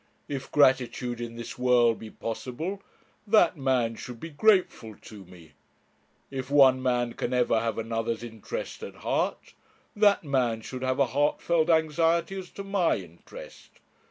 If gratitude in this world be possible, that man should be grateful to me; if one man can ever have another's interest at heart, that man should have a heartfelt anxiety as to my interest.